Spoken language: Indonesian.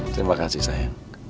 terima kasih sayang